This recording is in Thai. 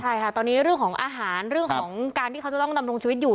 ใช่ค่ะตอนนี้เรื่องของอาหารเรื่องของการที่เขาจะต้องดำรงชีวิตอยู่